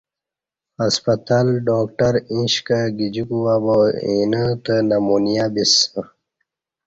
ہسپتال ڈاکٹر ایش کہ گجی کوبہ با اینہ تہ نمونیہ بسہ